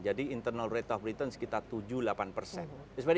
internal rate of return sekitar tujuh delapan persen